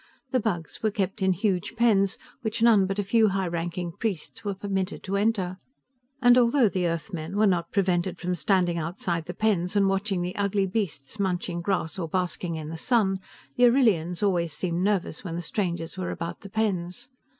The Bugs were kept in huge pens, which none but a few high ranking priests were permitted to enter, and although the Earthmen were not prevented from standing outside the pens and watching the ugly beasts munching grass or basking in the sun, the Arrillians always seemed nervous when the strangers were about the pens.